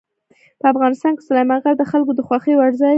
په افغانستان کې سلیمان غر د خلکو د خوښې وړ ځای دی.